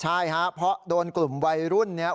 ใช่ครับเพราะโดนกลุ่มวัยรุ่นเนี่ย